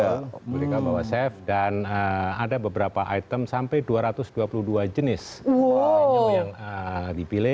mereka bawa chef dan ada beberapa item sampai dua ratus dua puluh dua jenis venue yang dipilih